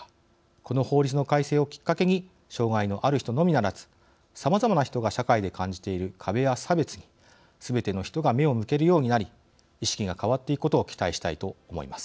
この法律の改正をきっかけに障害のある人のみならずさまざまな人が社会で感じている壁や差別にすべての人が目を向けるようになり意識が変わっていくことを期待したいと思います。